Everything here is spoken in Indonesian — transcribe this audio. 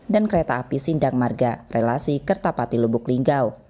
dan kereta api sindang marga relasi kertapati lubuk linggau